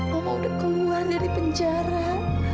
kamu udah keluar dari penjara